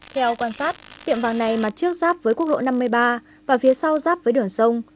theo quan sát tiệm vàng này mặt trước ráp với quốc lộ năm mươi ba và phía sau giáp với đường sông